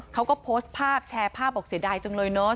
เขาก็โพสต์ภาพแชร์ภาพบอกเสียดายจังเลยเนอะ